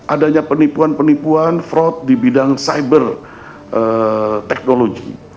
adanya penipuan penipuan fraud di bidang cyber technology